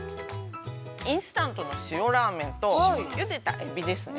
インスタントの塩ラーメンと、ゆでたエビですね。